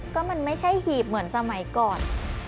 ก็มันไม่ใช่หีบเหมือนสมัยก่อน